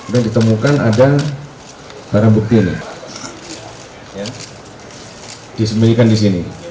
yang ditemukan ada barang bukti ini disemirikan di sini